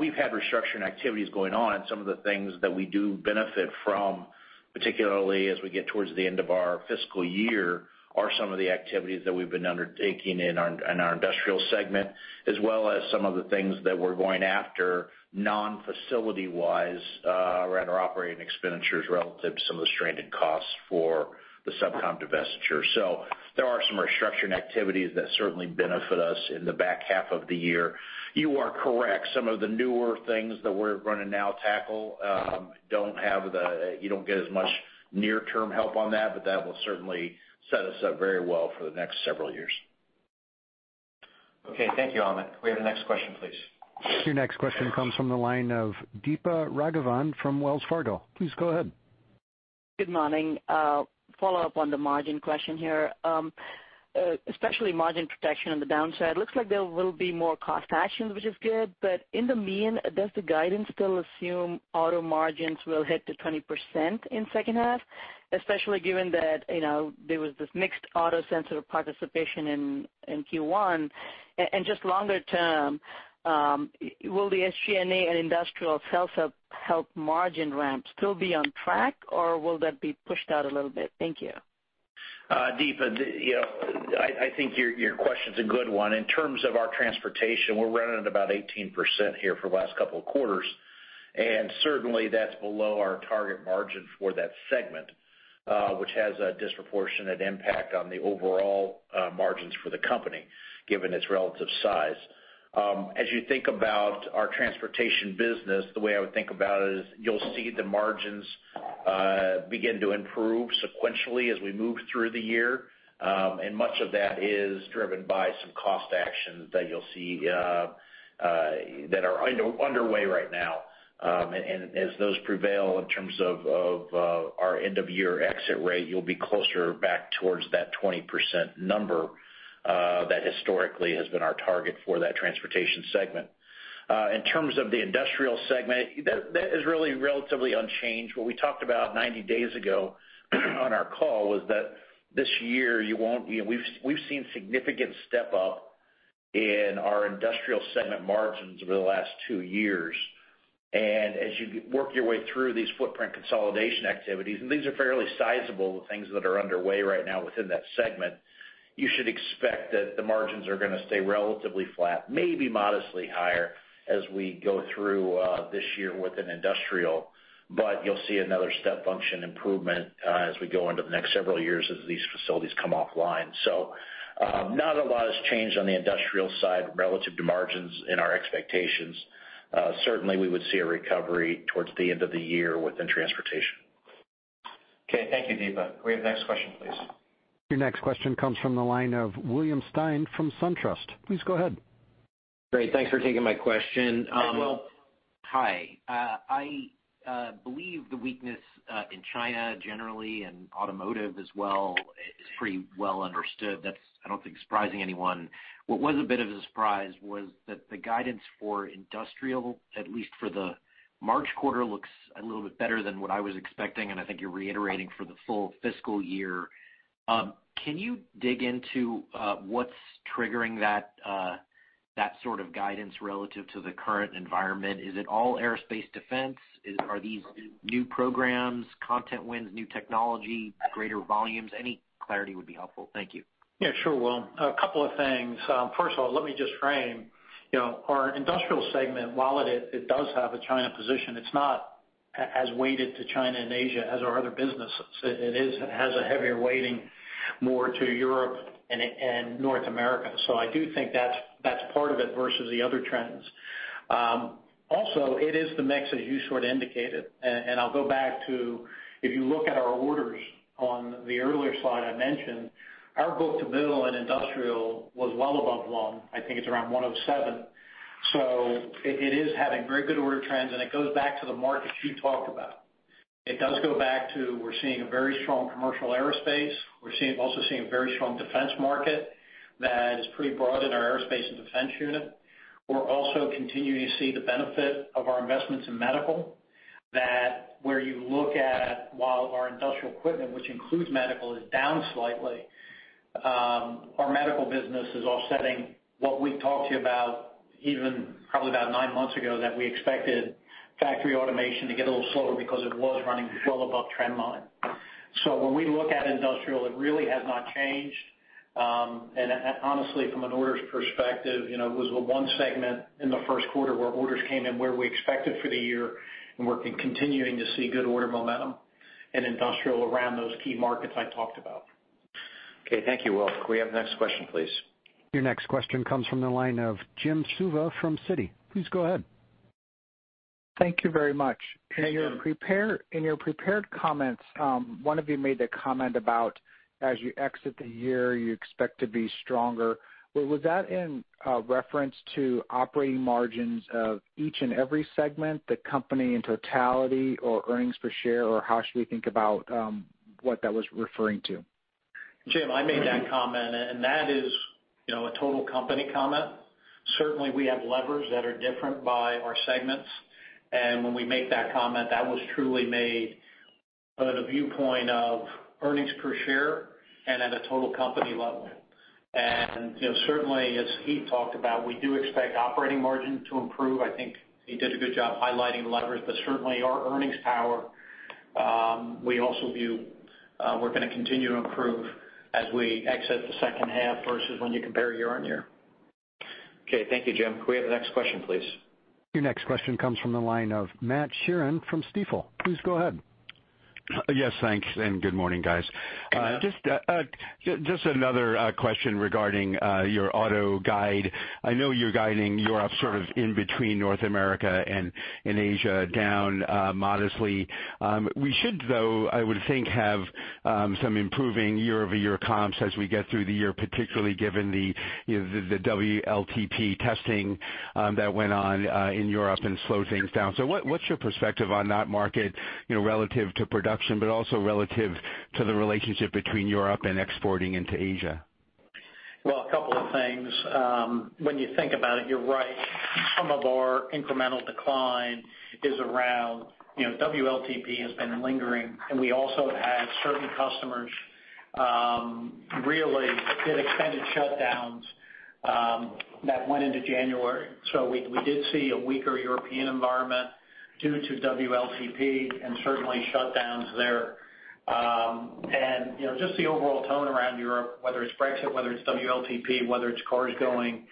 we've had restructuring activities going on, and some of the things that we do benefit from, particularly as we get towards the end of our fiscal year, are some of the activities that we've been undertaking in our industrial segment, as well as some of the things that we're going after, non-facility wise, around our operating expenditures relative to some of the stranded costs for the SubCom divestiture. So there are some restructuring activities that certainly benefit us in the back half of the year. You are correct. Some of the newer things that we're going to now tackle don't have the-- you don't get as much near-term help on that, but that will certainly set us up very well for the next several years. Okay. Thank you, Amit. Can we have the next question, please? Your next question comes from the line of Deepa Raghavan from Wells Fargo. Please go ahead. Good morning. Follow up on the margin question here. Especially margin protection on the downside. Looks like there will be more cost actions, which is good, but in the meantime, does the guidance still assume auto margins will hit to 20% in second half, especially given that, you know, there was this mixed auto sensor participation in Q1? And just longer term, will the SG&A and industrial health help margin ramps still be on track, or will that be pushed out a little bit? Thank you. Deepa, you know, I think your question's a good one. In terms of our Transportation, we're running at about 18% here for the last couple of quarters, and certainly that's below our target margin for that segment, which has a disproportionate impact on the overall margins for the company, given its relative size. As you think about our Transportation business, the way I would think about it is you'll see the margins begin to improve sequentially as we move through the year. And much of that is driven by some cost actions that you'll see that are underway right now. And as those prevail in terms of our end-of-year exit rate, you'll be closer back towards that 20% number that historically has been our target for that Transportation segment. In terms of the industrial segment, that is really relatively unchanged. What we talked about 90 days ago on our call was that this year, you won't—you know, we've seen significant step up in our industrial segment margins over the last two years. And as you work your way through these footprint consolidation activities, and these are fairly sizable, the things that are underway right now within that segment, you should expect that the margins are going to stay relatively flat, maybe modestly higher as we go through this year within industrial. But you'll see another step function improvement as we go into the next several years as these facilities come offline. So, not a lot has changed on the industrial side relative to margins in our expectations. Certainly, we would see a recovery toward the end of the year within Transportation. Okay. Thank you, Deepa. Can we have the next question, please? Your next question comes from the line of William Stein from SunTrust. Please go ahead. Great. Thanks for taking my question. Hi, Will. Hi. I believe the weakness in China generally and automotive as well is pretty well understood. That's, I don't think, surprising anyone. What was a bit of a surprise was that the guidance for industrial, at least for the March quarter, looks a little bit better than what I was expecting, and I think you're reiterating for the full fiscal year. Can you dig into what's triggering that, that sort of guidance relative to the current environment? Is it all aerospace defense? Are these new programs, content wins, new technology, greater volumes? Any clarity would be helpful. Thank you. Yeah, sure, Will. A couple of things. First of all, let me just frame, you know, our industrial segment, while it does have a China position, it's not as weighted to China and Asia as our other businesses. It is. It has a heavier weighting more to Europe and North America. So I do think that's part of it versus the other trends. Also, it is the mix, as you sort of indicated, and I'll go back to, if you look at our orders-... on the earlier slide I mentioned, our book-to-bill in Industrial was well above 1. I think it's around 1.07. So it is having very good order trends, and it goes back to the markets Heath talked about. It does go back to we're seeing a very strong commercial aerospace. We're also seeing a very strong defense market that is pretty broad in our aerospace and defense unit. We're also continuing to see the benefit of our investments in medical, that where you look at, while our industrial equipment, which includes medical, is down slightly, our medical business is offsetting what we've talked to you about even probably about 9 months ago, that we expected factory automation to get a little slower because it was running well above trend line. So when we look at industrial, it really has not changed. And honestly, from an orders perspective, you know, it was the one segment in the first quarter where orders came in where we expected for the year, and we're continuing to see good order momentum in industrial around those key markets I talked about. Okay. Thank you, Will. Can we have the next question, please? Your next question comes from the line of Jim Suva from Citi. Please go ahead. Thank you very much. Hey, Jim. In your prepared comments, one of you made the comment about, as you exit the year, you expect to be stronger. Well, was that in reference to operating margins of each and every segment, the company in totality or earnings per share, or how should we think about what that was referring to? Jim, I made that comment, and that is, you know, a total company comment. Certainly, we have levers that are different by our segments, and when we make that comment, that was truly made from the viewpoint of earnings per share and at a total company level. And, you know, certainly, as Heath talked about, we do expect operating margin to improve. I think he did a good job highlighting leverage, but certainly our earnings power, we also view, we're gonna continue to improve as we exit the second half versus when you compare year-on-year. Okay. Thank you, Jim. Could we have the next question, please? Your next question comes from the line of Matt Sheerin from Stifel. Please go ahead. Yes, thanks, and good morning, guys. Good morning. Just another question regarding your auto guide. I know you're guiding Europe sort of in between North America and Asia down modestly. We should, though, I would think, have some improving year-over-year comps as we get through the year, particularly given the, you know, the WLTP testing that went on in Europe and slowed things down. So what's your perspective on that market, you know, relative to production, but also relative to the relationship between Europe and exporting into Asia? Well, a couple of things. When you think about it, you're right. Some of our incremental decline is around, you know, WLTP has been lingering, and we also have had certain customers, really, that did extended shutdowns, that went into January. So we, we did see a weaker European environment due to WLTP and certainly shutdowns there. And, you know, just the overall tone around Europe, whether it's Brexit, whether it's WLTP, whether it's cars going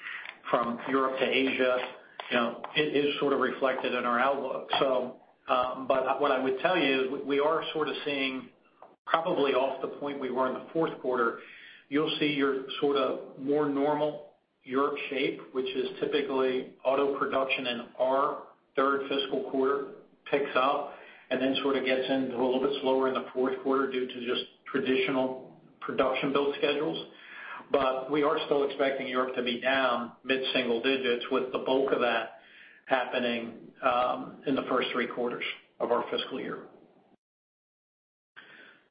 from Europe to Asia, you know, it is sort of reflected in our outlook. But what I would tell you is we are sort of seeing probably off the point we were in the fourth quarter. You'll see your sort of more normal Europe shape, which is typically auto production in our third fiscal quarter, picks up and then sort of gets in a little bit slower in the fourth quarter due to just traditional production build schedules. But we are still expecting Europe to be down mid-single digits, with the bulk of that happening in the first three quarters of our fiscal year.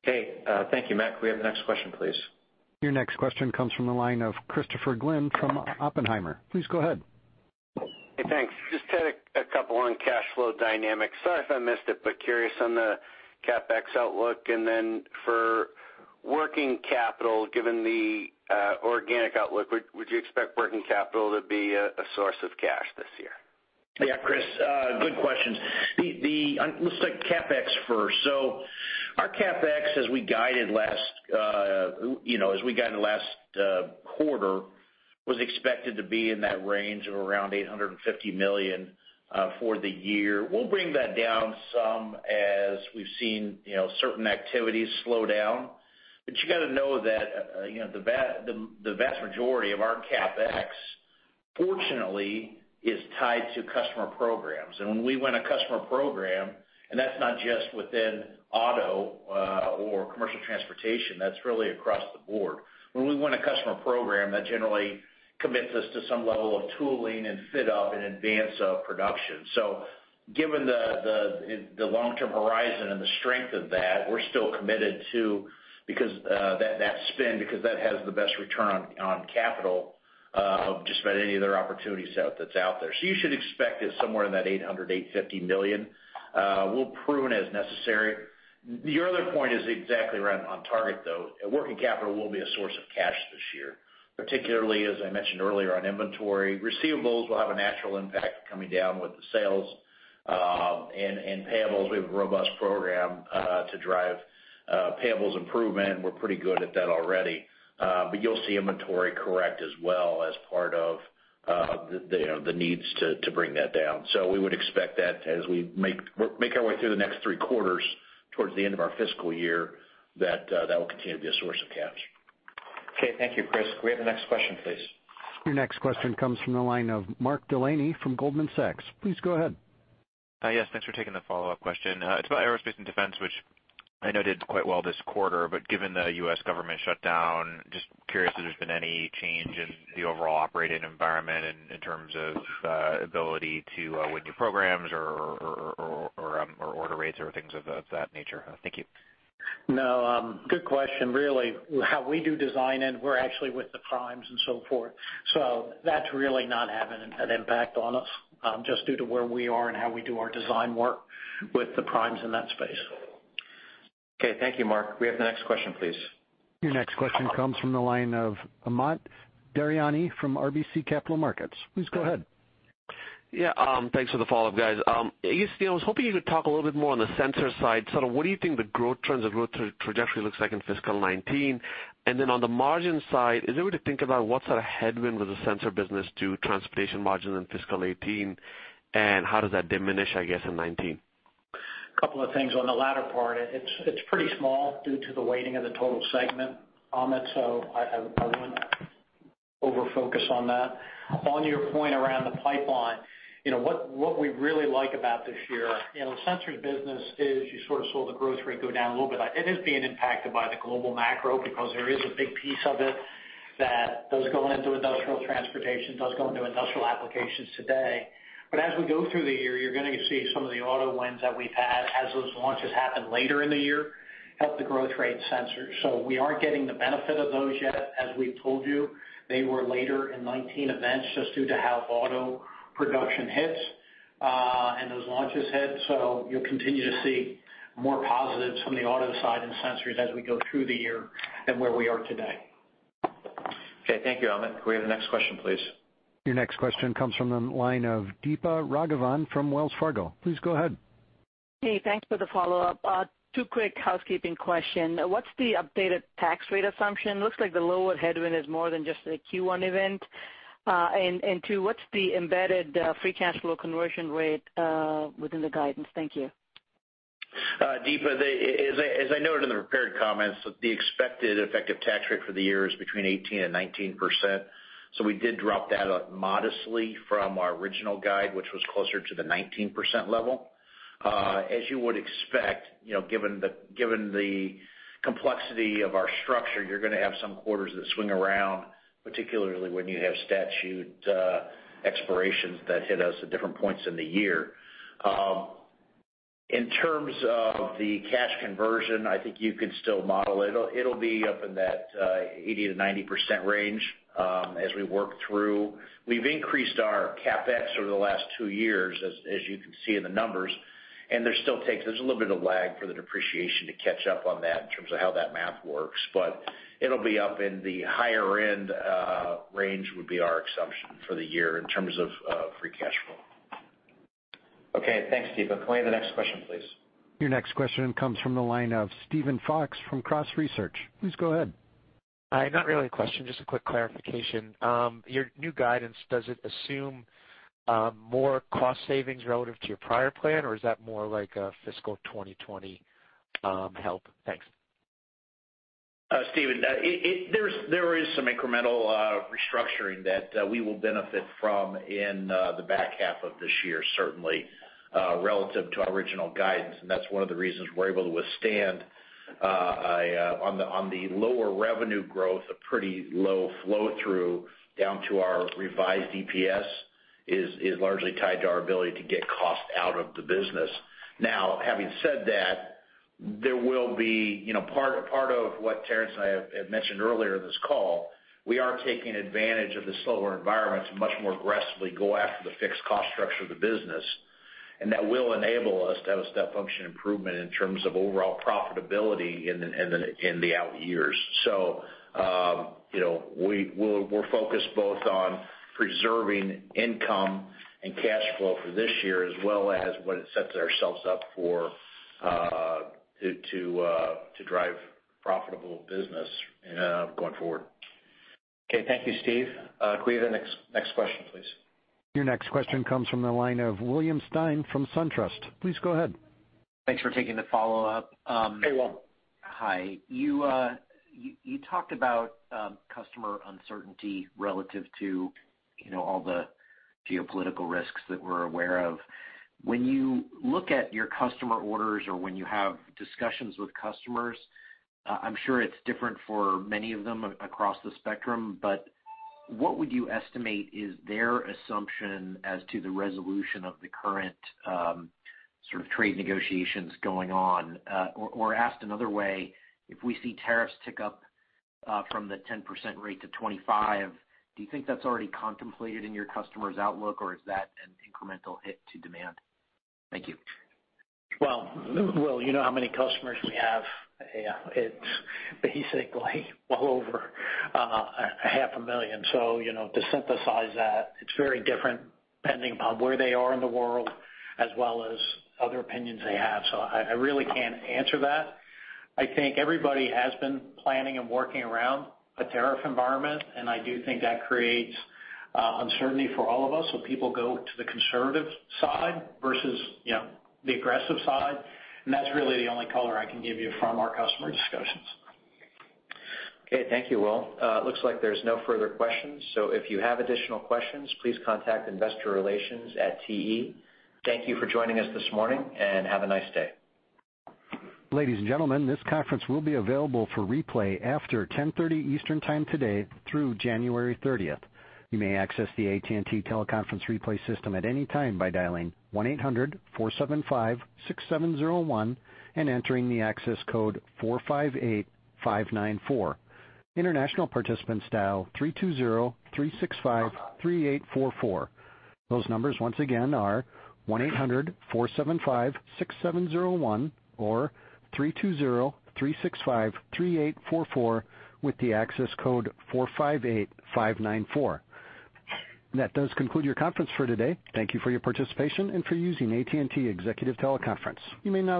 Okay. Thank you, Matt. Can we have the next question, please? Your next question comes from the line of Christopher Glynn from Oppenheimer. Please go ahead. Hey, thanks. Just had a couple on cash flow dynamics. Sorry if I missed it, but curious on the CapEx outlook. And then for working capital, given the organic outlook, would you expect working capital to be a source of cash this year? Yeah, Chris, good questions. Let's take CapEx first. So our CapEx, as we guided last quarter, was expected to be in that range of around $850 million for the year. We'll bring that down some as we've seen, you know, certain activities slow down. But you got to know that, you know, the vast majority of our CapEx, fortunately, is tied to customer programs. And when we win a customer program, and that's not just within auto or Commercial Transportation, that's really across the board. When we win a customer program, that generally commits us to some level of tooling and fit-up in advance of production. So given the long-term horizon and the strength of that, we're still committed to because that spend, because that has the best return on capital just about any other opportunity set that's out there. So you should expect it somewhere in that $800-$850 million. We'll prune as necessary. Your other point is exactly right on target, though. Working capital will be a source of cash this year, particularly as I mentioned earlier, on inventory. Receivables will have a natural impact coming down with the sales, and payables. We have a robust program to drive payables improvement, and we're pretty good at that already. But you'll see inventory correct as well as part of the, you know, the needs to bring that down. So we would expect that as we make our way through the next three quarters towards the end of our fiscal year, that that will continue to be a source of cash. ... Okay, thank you, Chris. Can we have the next question, please? Your next question comes from the line of Mark Delaney from Goldman Sachs. Please go ahead. Yes, thanks for taking the follow-up question. It's about aerospace and defense, which I know did quite well this quarter, but given the U.S. government shutdown, just curious if there's been any change in the overall operating environment in terms of ability to win new programs or order rates or things of that nature. Thank you. No, good question. Really, how we do design, and we're actually with the primes and so forth, so that's really not having an impact on us, just due to where we are and how we do our design work with the primes in that space. Okay. Thank you, Mark. We have the next question, please. Your next question comes from the line of Amit Daryanani from RBC Capital Markets. Please go ahead. Yeah, thanks for the follow-up, guys. You know, I was hoping you could talk a little bit more on the sensor side, sort of what do you think the growth trends or growth trajectory looks like in fiscal 2019? Then on the margin side, is it good to think about what sort of headwind would the sensor business do Transportation margin in fiscal 2018, and how does that diminish, I guess, in 2019? A couple of things on the latter part. It's, it's pretty small due to the weighting of the total segment, Amit, so I, I wouldn't over-focus on that. On your point around the pipeline, you know, what, what we really like about this year, you know, Sensors business is you sort of saw the growth rate go down a little bit. It is being impacted by the global macro because there is a big piece of it that does go into industrial Transportation, does go into industrial applications today. But as we go through the year, you're gonna see some of the auto wins that we've had, as those launches happen later in the year, help the growth rate sensor. So we aren't getting the benefit of those yet. As we've told you, they were later in 19 events just due to how auto production hits, and those launches hit. So you'll continue to see more positives from the auto side and Sensors as we go through the year than where we are today. Okay, thank you, Amit. Can we have the next question, please? Your next question comes from the line of Deepa Raghavan from Wells Fargo. Please go ahead. Hey, thanks for the follow-up. Two quick housekeeping question. What's the updated tax rate assumption? Looks like the lower headwind is more than just a Q1 event. And two, what's the embedded free cash flow conversion rate within the guidance? Thank you. Deepa, as I noted in the prepared comments, the expected effective tax rate for the year is between 18% and 19%, so we did drop that modestly from our original guide, which was closer to the 19% level. As you would expect, you know, given the complexity of our structure, you're gonna have some quarters that swing around, particularly when you have statute expirations that hit us at different points in the year. In terms of the cash conversion, I think you can still model it. It'll be up in that 80%-90% range, as we work through. We've increased our CapEx over the last two years, as you can see in the numbers, and there's a little bit of lag for the depreciation to catch up on that in terms of how that math works, but it'll be up in the higher end range, would be our assumption for the year in terms of free cash flow. Okay, thanks, Deepa. Can we have the next question, please? Your next question comes from the line of Steven Fox from Cross Research. Please go ahead. Not really a question, just a quick clarification. Your new guidance, does it assume more cost savings relative to your prior plan, or is that more like a fiscal 2020, help? Thanks. Steven, there's some incremental restructuring that we will benefit from in the back half of this year, certainly relative to our original guidance, and that's one of the reasons we're able to withstand on the lower revenue growth a pretty low flow through down to our revised EPS is largely tied to our ability to get cost out of the business. Now, having said that, there will be, you know, part of what Terrence and I have mentioned earlier in this call, we are taking advantage of the slower environments and much more aggressively go after the fixed cost structure of the business, and that will enable us to have a step function improvement in terms of overall profitability in the out years. So, you know, we're focused both on preserving income and cash flow for this year, as well as what it sets ourselves up for, to drive profitable business, going forward. Okay, thank you, Steve. Can we have the next question, please? Your next question comes from the line of William Stein from SunTrust. Please go ahead. Thanks for taking the follow-up. Hey, William. Hi. You talked about customer uncertainty relative to, you know, all the geopolitical risks that we're aware of. When you look at your customer orders or when you have discussions with customers, I'm sure it's different for many of them across the spectrum, but what would you estimate is their assumption as to the resolution of the current sort of trade negotiations going on? Or asked another way, if we see tariffs tick up from the 10% rate to 25, do you think that's already contemplated in your customers' outlook, or is that an incremental hit to demand? Thank you. Well, Will, you know how many customers we have? It's basically well over 500,000. So, you know, to synthesize that, it's very different depending upon where they are in the world as well as other opinions they have. So I really can't answer that. I think everybody has been planning and working around a tariff environment, and I do think that creates uncertainty for all of us. So people go to the conservative side versus, you know, the aggressive side, and that's really the only color I can give you from our customer discussions. Okay. Thank you, Will. It looks like there's no further questions, so if you have additional questions, please contact investor relations at TE. Thank you for joining us this morning, and have a nice day. Ladies and gentlemen, this conference will be available for replay after 10:30 Eastern time today through January 30th. You may access the AT&T teleconference replay system at any time by dialing 1-800-475-6701 and entering the access code 458594. International participants dial 320-365-3844. Those numbers once again are 1-800-475-6701 or 320-365-3844, with the access code 458594. That does conclude your conference for today. Thank you for your participation and for using AT&T Executive Teleconference. You may now disconnect.